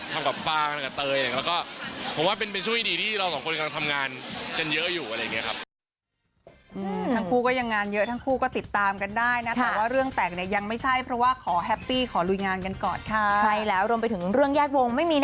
ทำกับฟางกับเตยแล้วก็ผมว่าเป็นช่วงที่ดีที่เราสองคนกำลังทำงานกันเยอะอยู่อะไรอย่างนี้ครับ